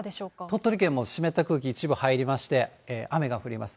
鳥取県も湿った空気一部入りまして、雨が降ります。